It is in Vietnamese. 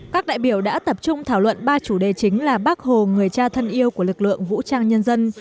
các đại biểu đã tập trung thảo luận ba chủ đề chính là bác hồ người cha thân yêu của lực lượng vũ trang nhân dân